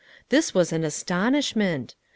This was an astonishment !